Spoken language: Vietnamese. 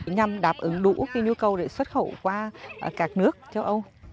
nhằm đáp ứng đủ nhu cầu để xuất khẩu qua các nước châu âu